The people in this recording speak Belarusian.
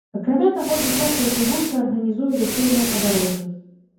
Акрамя таго, дзіцячая чыгунка арганізуе вясельныя падарожжы.